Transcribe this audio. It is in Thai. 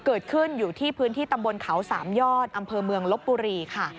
เกิดขึ้นอยู่ที่พื้นที่ตำบลเขาสามยอดอำเภอเมืองลบบุรีค่ะ